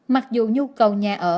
mặc dù nhu cầu nhà ở